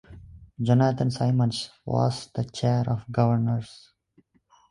Jonathan Simons was the chair of governors.